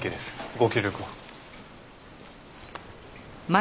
ご協力を。